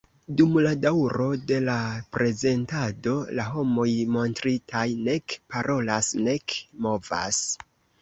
Dum la daŭro de la prezentado, la homoj montritaj nek parolas, nek movas.